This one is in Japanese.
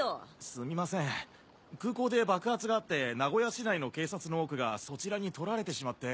すみません空港で爆発があって名古屋市内の警察の多くがそちらに取られてしまって。